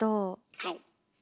はい。